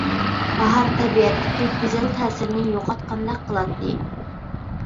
باھار تەبىئەتتىكى گۈزەل تەسىرىنى يوقاتقاندەك قىلاتتى.